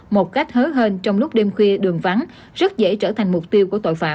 một cách hớ hên trong lúc đêm khuya đường vắng rất dễ trở thành mục tiêu của tội phạm